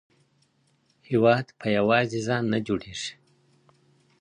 هېواد په یوازې ځان نه جوړیږي.